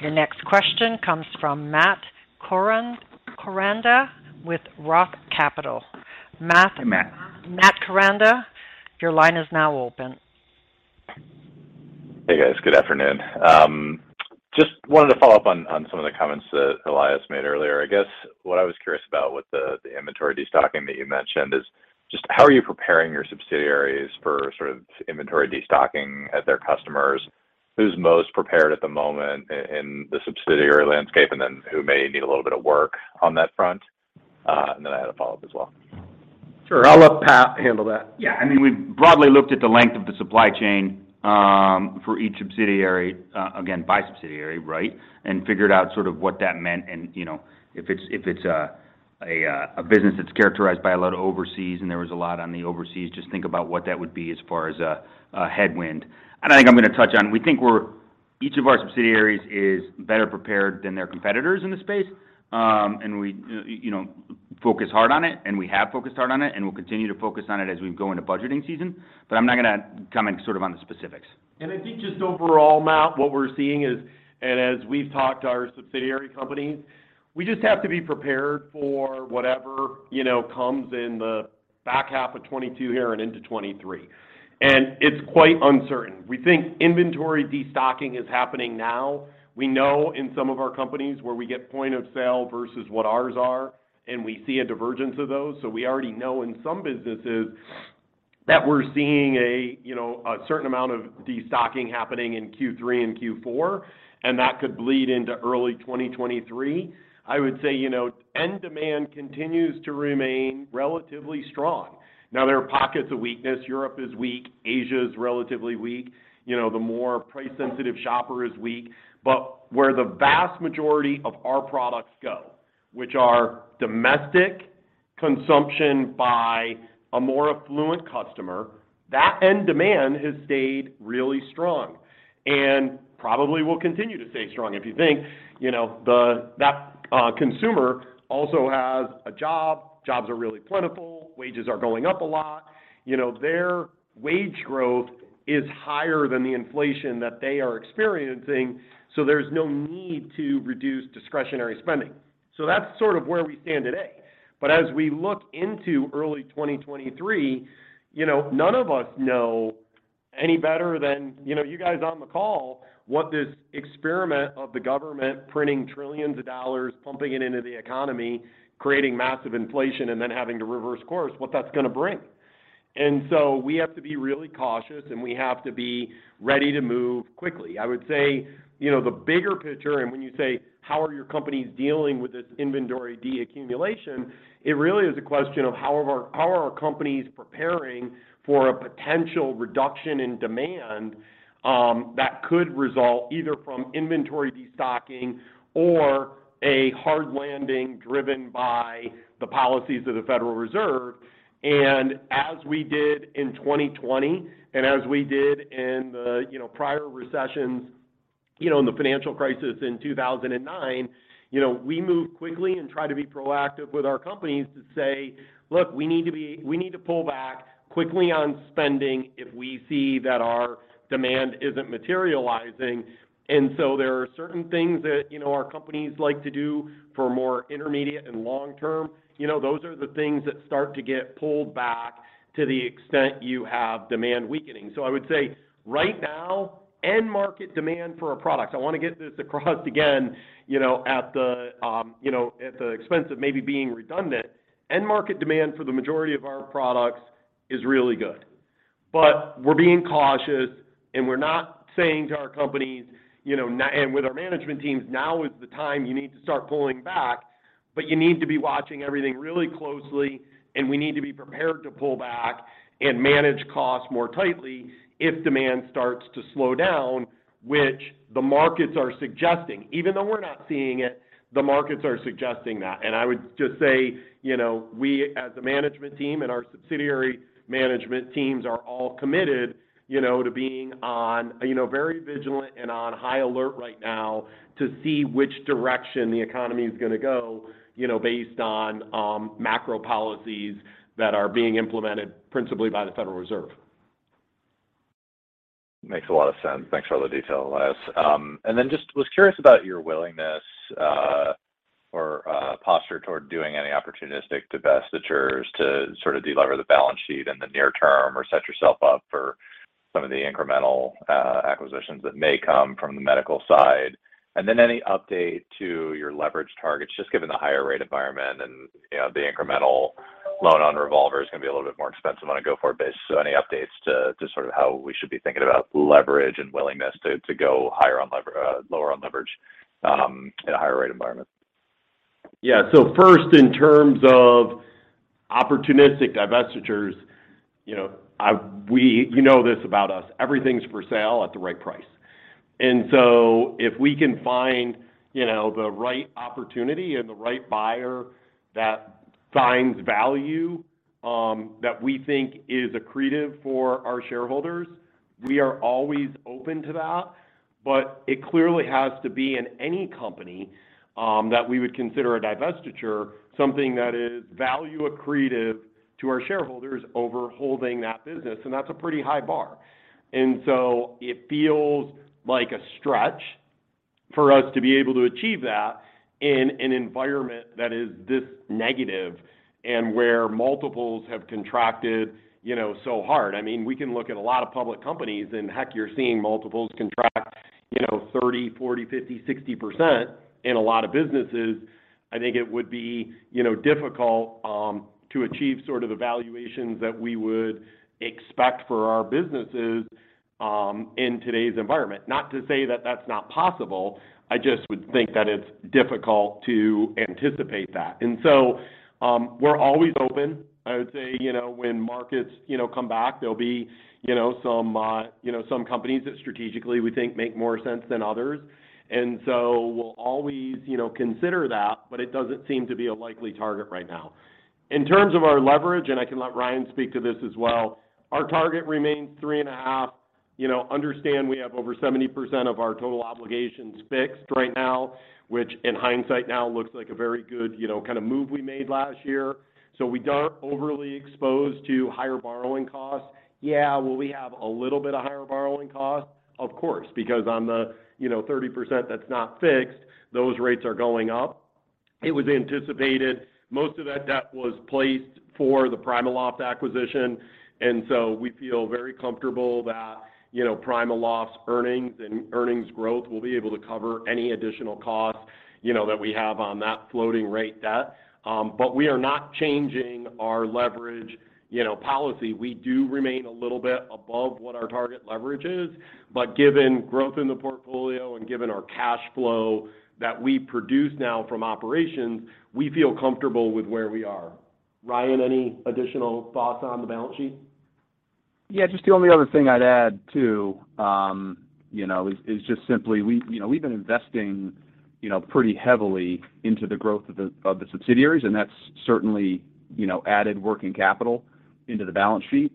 Your next question comes from Matt Koranda with Roth Capital. Matt- Matt. Matt Koranda, your line is now open. Hey, guys. Good afternoon. Just wanted to follow up on some of the comments that Elias made earlier. I guess what I was curious about with the inventory destocking that you mentioned is just how are you preparing your subsidiaries for sort of inventory destocking at their customers? Who's most prepared at the moment in the subsidiary landscape, and then who may need a little bit of work on that front? I had a follow-up as well. Sure. I'll let Pat handle that. Yeah. I mean, we've broadly looked at the length of the supply chain, for each subsidiary, again, by subsidiary, right? Figured out sort of what that meant. You know, if it's a business that's characterized by a lot of overseas, and there's a lot of overseas, just think about what that would be as far as a headwind. I think I'm gonna touch on each of our subsidiaries is better prepared than their competitors in the space. We, you know, focus hard on it, and we have focused hard on it, and we'll continue to focus on it as we go into budgeting season. I'm not gonna comment sort of on the specifics. I think just overall, Matt, what we're seeing is, and as we've talked to our subsidiary companies, we just have to be prepared for whatever, you know, comes in the back half of 2022 here and into 2023. It's quite uncertain. We think inventory destocking is happening now. We know in some of our companies where we get point of sale versus what ours are, and we see a divergence of those. So we already know in some businesses that we're seeing a, you know, a certain amount of destocking happening in Q3 and Q4, and that could bleed into early 2023. I would say, you know, end demand continues to remain relatively strong. Now, there are pockets of weakness. Europe is weak. Asia is relatively weak. You know, the more price-sensitive shopper is weak. Where the vast majority of our products go, which are domestic consumption by a more affluent customer, that end demand has stayed really strong and probably will continue to stay strong. If you think, you know, that consumer also has a job. Jobs are really plentiful. Wages are going up a lot. You know, their wage growth is higher than the inflation that they are experiencing, so there's no need to reduce discretionary spending. That's sort of where we stand today. As we look into early 2023, you know, none of us know any better than, you know, you guys on the call what this experiment of the government printing trillions of dollars, pumping it into the economy, creating massive inflation, and then having to reverse course, what that's gonna bring. We have to be really cautious, and we have to be ready to move quickly. I would say, you know, the bigger picture, and when you say, "How are your companies dealing with this inventory deaccumulation?" it really is a question of how are our companies preparing for a potential reduction in demand, that could result either from inventory destocking or a hard landing driven by the policies of the Federal Reserve. As we did in 2020 and in the prior recessions, you know, in the financial crisis in 2009, you know, we move quickly and try to be proactive with our companies to say, "Look, we need to pull back quickly on spending if we see that our demand isn't materializing." There are certain things that, you know, our companies like to do for more intermediate and long term. You know, those are the things that start to get pulled back to the extent you have demand weakening. I would say right now, end market demand for our products, I wanna get this across again, you know, at the, you know, at the expense of maybe being redundant, end market demand for the majority of our products is really good. We're being cautious, and we're not saying to our companies, you know, now and with our management teams, "Now is the time you need to start pulling back," but you need to be watching everything really closely, and we need to be prepared to pull back and manage costs more tightly if demand starts to slow down, which the markets are suggesting. Even though we're not seeing it, the markets are suggesting that. I would just say, you know, we as a management team and our subsidiary management teams are all committed, you know, to being on, you know, very vigilant and on high alert right now to see which direction the economy is gonna go, you know, based on macro policies that are being implemented principally by the Federal Reserve. Makes a lot of sense. Thanks for all the detail, Les. Just was curious about your willingness or posture toward doing any opportunistic divestitures to sort of de-lever the balance sheet in the near term or set yourself up for some of the incremental acquisitions that may come from the medical side. Any update to your leverage targets, just given the higher rate environment and the incremental loan on revolver is gonna be a little bit more expensive on a go-forward basis. Any updates to sort of how we should be thinking about leverage and willingness to go higher on lower on leverage in a higher rate environment? Yeah. First, in terms of opportunistic divestitures, you know, you know this about us, everything's for sale at the right price. If we can find, you know, the right opportunity and the right buyer that finds value, that we think is accretive for our shareholders, we are always open to that. It clearly has to be in any company that we would consider a divestiture, something that is value accretive to our shareholders over holding that business, and that's a pretty high bar. It feels like a stretch for us to be able to achieve that in an environment that is this negative and where multiples have contracted, you know, so hard. I mean, we can look at a lot of public companies, and heck, you're seeing multiples contract, you know, 30%, 40%, 50%, 60% in a lot of businesses. I think it would be, you know, difficult to achieve sort of the valuations that we would expect for our businesses in today's environment. Not to say that that's not possible, I just would think that it's difficult to anticipate that. We're always open. I would say, you know, when markets, you know, come back, there'll be, you know, some companies that strategically we think make more sense than others. We'll always, you know, consider that, but it doesn't seem to be a likely target right now. In terms of our leverage, and I can let Ryan speak to this as well, our target remains 3.5x. You know, understand we have over 70% of our total obligations fixed right now, which in hindsight now looks like a very good, you know, kind of move we made last year. We aren't overly exposed to higher borrowing costs. Yeah, will we have a little bit of higher borrowing costs? Of course, because on the, you know, 30% that's not fixed, those rates are going up. It was anticipated. Most of that debt was placed for the PrimaLoft acquisition, and so we feel very comfortable that, you know, PrimaLoft's earnings and earnings growth will be able to cover any additional costs, you know, that we have on that floating rate debt. But we are not changing our leverage, you know, policy. We do remain a little bit above what our target leverage is, but given growth in the portfolio and given our cash flow that we produce now from operations, we feel comfortable with where we are. Ryan, any additional thoughts on the balance sheet? Yeah. Just the only other thing I'd add too, you know, is just simply we've been investing, you know, pretty heavily into the growth of the subsidiaries, and that's certainly, you know, added working capital into the balance sheet.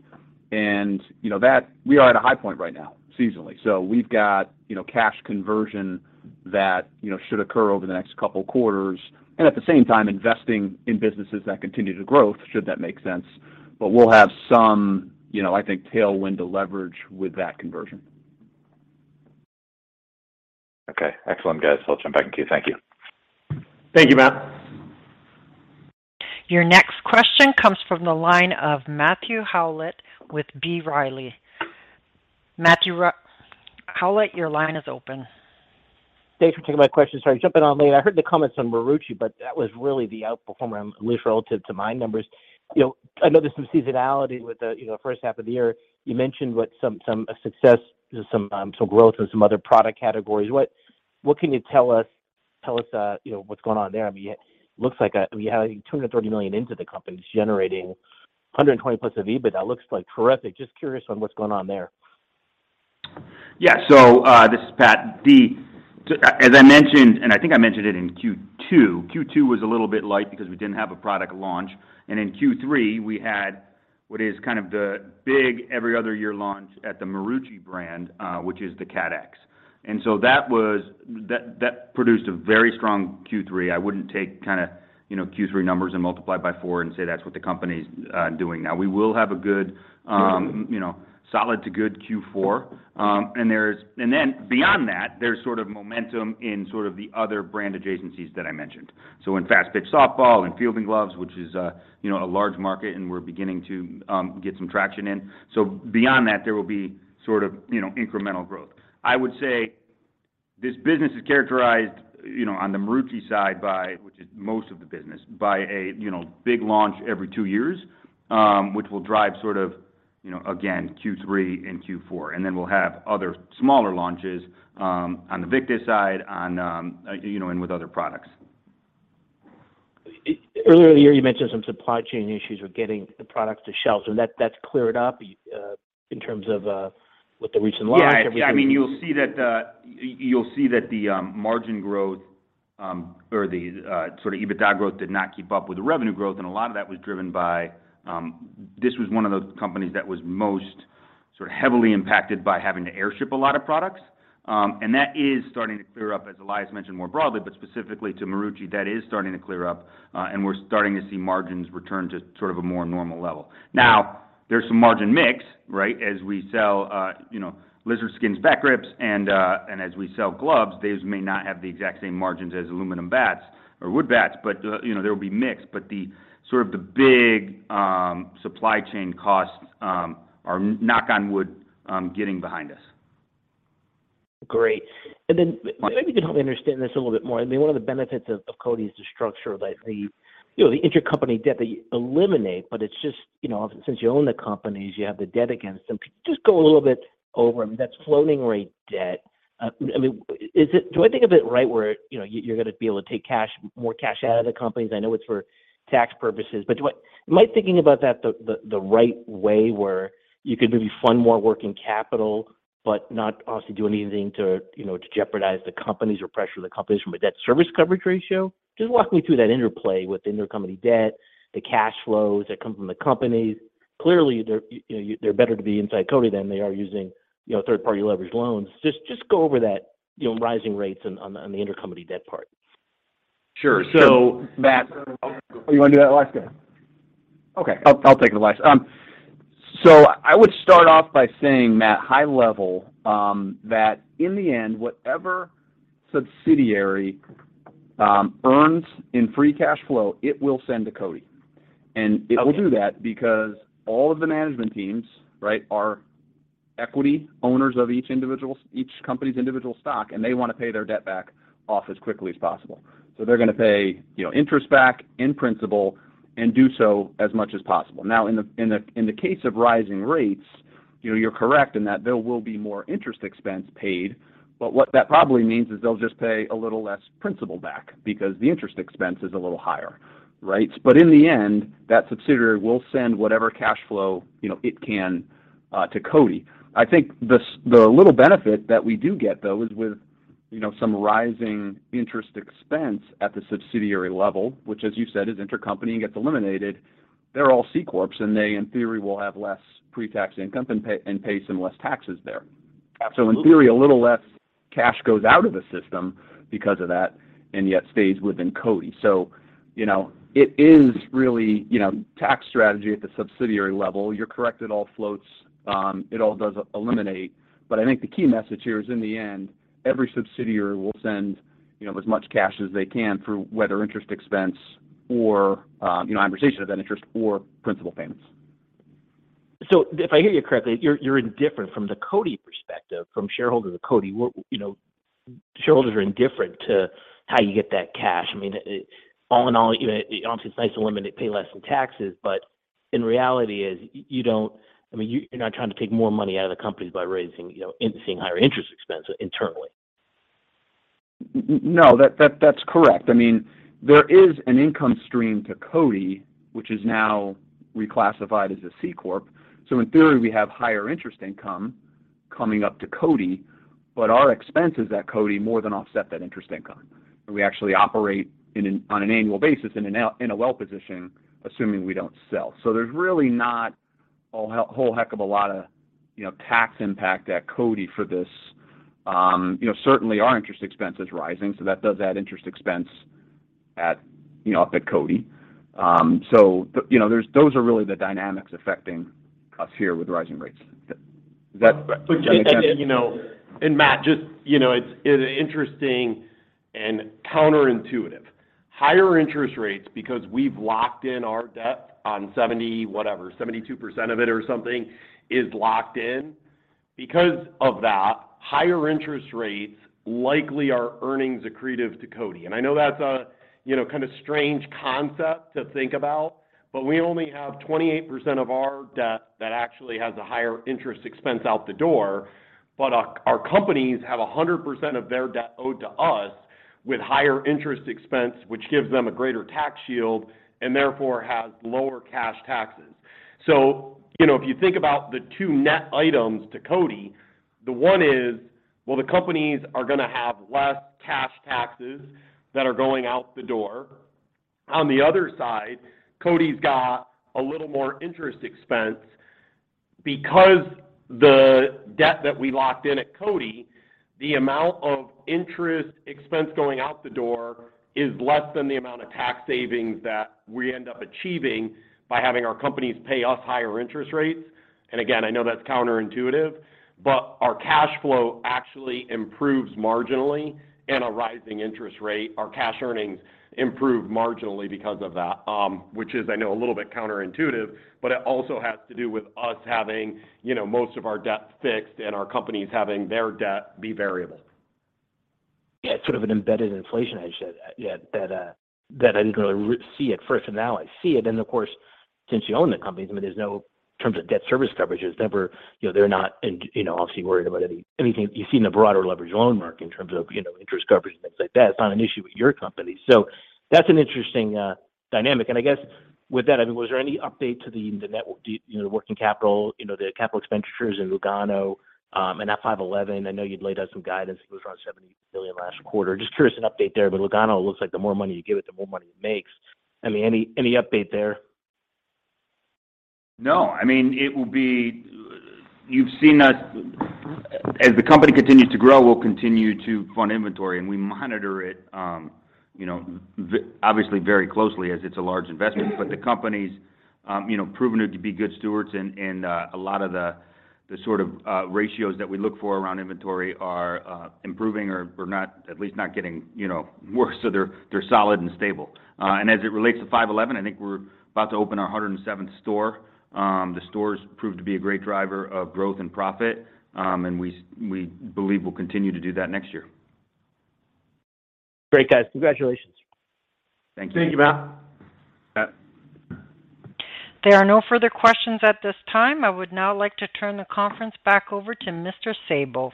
You know, that we are at a high point right now seasonally. We've got, you know, cash conversion that, you know, should occur over the next couple quarters, and at the same time, investing in businesses that continue to grow. Does that make sense? We'll have some, you know, I think, tailwind to leverage with that conversion. Okay. Excellent, guys. I'll jump back in queue. Thank you. Thank you, Matt. Your next question comes from the line of Matthew Howlett with B. Riley. Matthew Howlett, your line is open. Thanks for taking my question. Sorry to jump in so late. I heard the comments on Marucci, but that was really the outperformer, at least relative to my numbers. You know, I know there's some seasonality with the first half of the year. You mentioned some success, some growth in some other product categories. What can you tell us, you know, what's going on there? I mean, it looks like you have $230 million into the company. It's generating $120+ million of EBITDA. That looks like terrific. Just curious on what's going on there. Yeah. This is Pat. As I mentioned, and I think I mentioned it in Q2 was a little bit light because we didn't have a product launch. In Q3, we had what is kind of the big every other year launch at the Marucci brand, which is the CATX. That produced a very strong Q3. I wouldn't take kinda, you know, Q3 numbers and multiply by four and say that's what the company's doing now. We will have a good, you know, solid to good Q4. Beyond that, there's sort of momentum in sort of the other brand adjacencies that I mentioned. In fast-pitch softball and fielding gloves, which is a, you know, a large market and we're beginning to get some traction in. Beyond that, there will be sort of, you know, incremental growth. This business is characterized, you know, on the Marucci side by, which is most of the business, by a, you know, big launch every two years, which will drive sort of, you know, again, Q3 and Q4. Then we'll have other smaller launches on the Victus side, on, you know, and with other products. Earlier, you mentioned some supply chain issues with getting the product to shelves. That's cleared up in terms of with the recent launch, everything. Yeah. I mean, you'll see that the margin growth or the sort of EBITDA growth did not keep up with the revenue growth, and a lot of that was driven by this was one of those companies that was most sort of heavily impacted by having to airship a lot of products. That is starting to clear up, as Elias mentioned more broadly, but specifically to Marucci, that is starting to clear up, and we're starting to see margins return to sort of a more normal level. Now, there's some margin mix, right? As we sell, you know, Lizard Skins bat grips, and as we sell gloves, those may not have the exact same margins as aluminum bats or wood bats, but, you know, there will be mix. The sort of big supply chain costs are, knock on wood, getting behind us. Great. Maybe you can help me understand this a little bit more. I mean, one of the benefits of CODI is the structure, the intercompany debt that you eliminate, but it's just since you own the companies, you have the debt against them. Could you just go a little bit over? I mean, that's floating rate debt. I mean, is it? Do I think of it right where you know you're gonna be able to take cash, more cash out of the companies? I know it's for tax purposes, but do I? Am I thinking about that the right way where you could maybe fund more working capital but not obviously do anything to jeopardize the companies or pressure the companies from a debt service coverage ratio? Just walk me through that interplay with intercompany debt, the cash flows that come from the companies. Clearly, they're, you know, they're better to be inside CODI than they are using, you know, third-party leverage loans. Just go over that, you know, rising rates on the intercompany debt part. Sure. Matt- You wanna do that, Elias? Okay. I'll take it, Elias. So I would start off by saying, Matt, high level, that in the end, whatever subsidiary earns in free cash flow, it will send to CODI. It will do that because all of the management teams, right, are equity owners of each company's individual stock, and they wanna pay their debt back off as quickly as possible. They're gonna pay, you know, interest back in principal and do so as much as possible. Now, in the case of rising rates, you know, you're correct in that there will be more interest expense paid, but what that probably means is they'll just pay a little less principal back because the interest expense is a little higher, right? In the end, that subsidiary will send whatever cash flow, you know, it can, to CODI. I think the little benefit that we do get, though, is with, you know, some rising interest expense at the subsidiary level, which as you said, is intercompany and gets eliminated. They're all C corps, and they, in theory, will have less pre-tax income and pay some less taxes there. Absolutely. In theory, a little less cash goes out of the system because of that and yet stays within CODI. You know, it is really, you know, tax strategy at the subsidiary level. You're correct, it all floats. It all does eliminate. I think the key message here is in the end, every subsidiary will send, you know, as much cash as they can through whether interest expense or, you know, amortization of that interest or principal payments. If I hear you correctly, you're indifferent from the CODI perspective, from shareholders of CODI. You know, shareholders are indifferent to how you get that cash. I mean, all in all, you know, obviously it's nice to eliminate, pay less in taxes, but in reality, you don't. I mean, you're not trying to take more money out of the companies by raising, you know, increasing higher interest expense internally. No, that's correct. I mean, there is an income stream to CODI, which is now reclassified as a C corp. So in theory, we have higher interest income coming up to CODI, but our expenses at CODI more than offset that interest income. We actually operate on an annual basis in a NOL position, assuming we don't sell. So there's really not a whole heck of a lot of, you know, tax impact at CODI for this. You know, certainly our interest expense is rising, so that does add interest expense at, you know, up at CODI. So, you know, those are really the dynamics affecting us here with rising rates. Is that being captured? You know, and Matt, just, you know, it's interesting and counterintuitive. Higher interest rates because we've locked in our debt on seventy whatever, 72% of it or something is locked in. Because of that, higher interest rates likely are earnings accretive to CODI. I know that's a, you know, kind of strange concept to think about, but we only have 28% of our debt that actually has a higher interest expense out the door. Our companies have 100% of their debt owed to us with higher interest expense, which gives them a greater tax shield, and therefore has lower cash taxes. You know, if you think about the two net items to CODI, the one is, well, the companies are gonna have less cash taxes that are going out the door. On the other side, CODI's got a little more interest expense because the debt that we locked in at CODI, the amount of interest expense going out the door is less than the amount of tax savings that we end up achieving by having our companies pay us higher interest rates. Again, I know that's counterintuitive, but our cash flow actually improves marginally in a rising interest rate. Our cash earnings improve marginally because of that, which is I know a little bit counterintuitive, but it also has to do with us having, you know, most of our debt fixed and our companies having their debt be variable. Yeah, it's sort of an embedded inflation I said, yeah, that that I didn't really foresee at first, and now I see it. Of course, since you own the companies, I mean, there's no terms of debt service coverage. There's never, you know, they're not in, you know, obviously worried about anything you see in the broader leveraged loan market in terms of, you know, interest coverage and things like that. It's not an issue with your company. That's an interesting, dynamic. I guess with that, I mean, was there any update to the working capital, you know, the capital expenditures in Lugano, and now 5.11? I know you'd laid out some guidance. It was around $70 million last quarter. Just curious, an update there. Lugano looks like the more money you give it, the more money it makes. I mean, any update there? No. I mean, it will be. You've seen us. As the company continues to grow, we'll continue to fund inventory, and we monitor it, you know, obviously very closely as it's a large investment. The company's, you know, proven to be good stewards and a lot of the sort of ratios that we look for around inventory are improving or not, at least not getting, you know, worse. They're solid and stable. As it relates to 5.11 Tactical, I think we're about to open our 107th store. The stores proved to be a great driver of growth and profit, and we believe will continue to do that next year. Great, guys. Congratulations. Thank you. Thank you, Matt. There are no further questions at this time. I would now like to turn the conference back over to Mr. Sabo.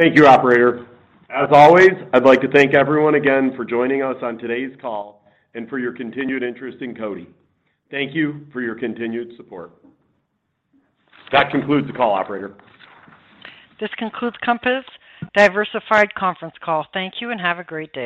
Thank you, operator. As always, I'd like to thank everyone again for joining us on today's call and for your continued interest in CODI. Thank you for your continued support. That concludes the call, operator. This concludes Compass Diversified conference call. Thank you and have a great day.